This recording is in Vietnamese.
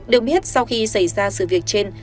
được biết sau khi xảy ra sự việc trên